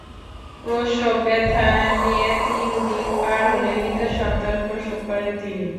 প্রসবব্যথা নিয়ে তিন দিন পার হলে মৃত সন্তান প্রসব করেন তিনি।